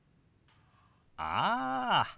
ああ。